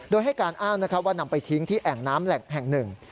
โดยให้การอ้างว่านำไปทิ้งที่แอ่งน้ำแหล่งแห่งหนึ่ง